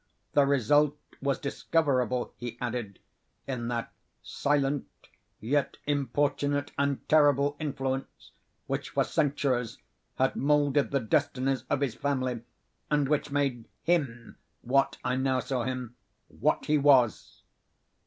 The result was discoverable, he added, in that silent, yet importunate and terrible influence which for centuries had moulded the destinies of his family, and which made him what I now saw him—what he was.